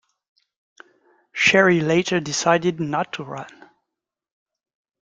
Cherry later decided not to run.